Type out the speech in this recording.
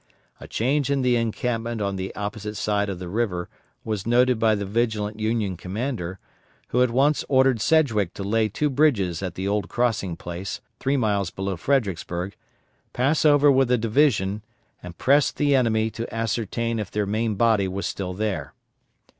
A change in the encampment on the opposite side of the river was noted by the vigilant Union commander, who at once ordered Sedgwick to lay two bridges at the old crossing place, three miles below Fredericksburg, pass over with a division, and press the enemy to ascertain if their main body was still there.